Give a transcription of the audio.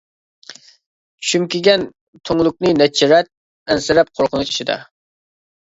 چۈمكىگەن تۈڭلۈكنى نەچچە رەت، ئەنسىرەپ قورقۇنچ ئىچىدە.